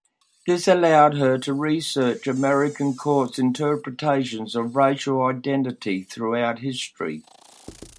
This allowed her to research American courts interpretations of racial identity throughout history.